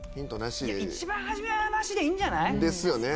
一番はじめはなしでいいんじゃない？ですよね